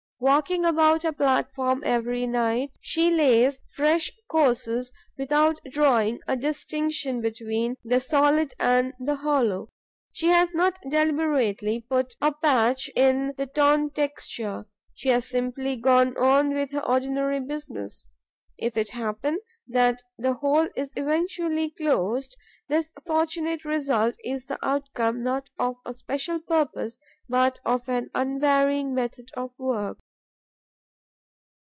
Walking about her platform every night, she lays fresh courses without drawing a distinction between the solid and the hollow. She has not deliberately put a patch in the torn texture; she has simply gone on with her ordinary business. If it happen that the hole is eventually closed, this fortunate result is the outcome not of a special purpose, but of an unvarying method of work.